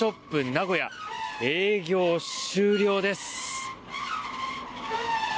名古屋営業終了です。